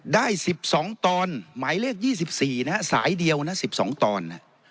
ได้สิบสองตอนหมายเลขยี่สิบสี่นะฮะสายเดียวนะสิบสองตอน